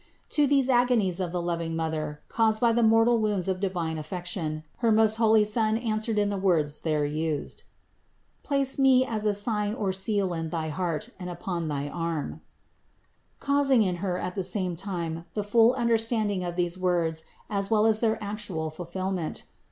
To these agonies of the loving Mother, caused by the mortal wounds of divine affection, her most holy Son answered in the words there used : "Place Me as a sign or seal in thy heart and upon thy arm," causing in Her at the same time the full under standing of these words as well as their actual fulfill ment.